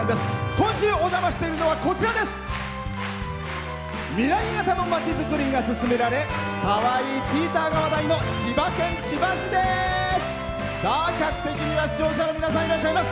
今週お邪魔しているのは未来型のまちづくりが進められかわいいチーターが話題の千葉県千葉市です。